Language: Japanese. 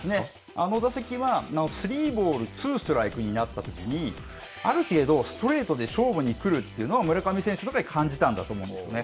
あの打席は、スリーボールツーストライクになったときに、ある程度、ストレートで勝負に来るというのを村上選手は感じたんだと思うんですね。